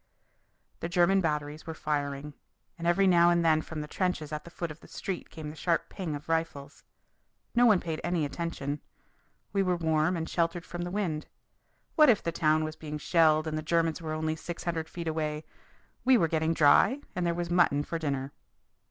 The German batteries were firing, and every now and then from the trenches at the foot of the street came the sharp ping of rifles. No one paid any attention. We were warm and sheltered from the wind. What if the town was being shelled and the Germans were only six hundred feet away? We were getting dry, and there was mutton for dinner.